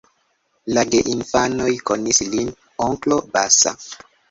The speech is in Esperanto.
La geinfanoj konis lin "onklo Basa".